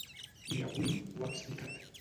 I avui ho ha explicat.